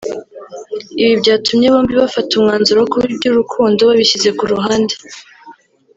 ibi byatumye bombi bafata umwanzuro wo kuba iby’urukundo babishyize ku ruhande